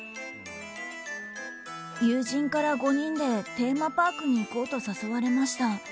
友人から、５人でテーマパークに行こうと誘われました。